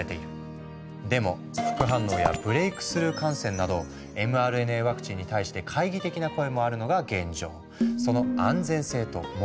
でも副反応やブレイクスルー感染などｍＲＮＡワクチンに対して懐疑的な声もあるのが現状。